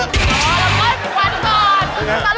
อ๋อแล้วก็วันก่อน